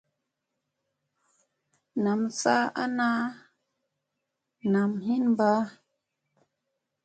Nam saa ana nam hin mbaa.